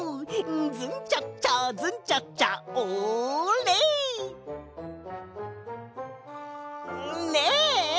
「ズンチャッチャズンチャッチャオーレ！」ねえ！